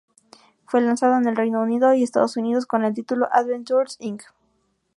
Fue lanzado en el Reino Unido y Estados Unidos con el título "Adventures Inc".